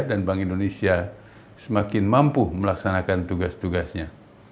dan bank indonesia semakin mampu melaksanakan tugas tugasnya